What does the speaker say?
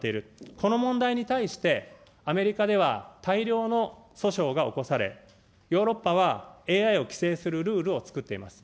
この問題に対して、アメリカでは大量の訴訟が起こされ、ヨーロッパは、ＡＩを規制するルールを作っています。